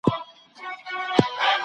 حق پالونکي تل په صبر کي وي.